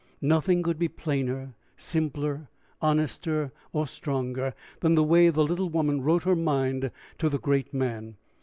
Nothing could be plainer, simpler, honester, or stronger, than the way the little woman wrote her mind to the great man.